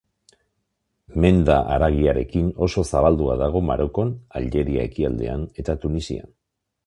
Menda haragiarekin oso zabaldua dago Marokon, Aljeria ekialdean eta Tunisian.